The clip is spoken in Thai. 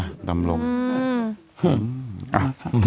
บ๊วยไปเอาไง